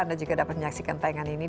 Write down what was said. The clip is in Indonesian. anda juga dapat menyaksikan tayangan ini